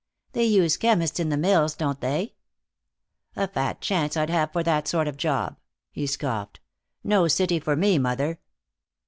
"They use chemists in the mills, don't they?" "A fat chance I'd have for that sort of job," he scoffed. "No city for me, mother."